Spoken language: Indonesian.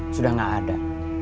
sudah tidak ada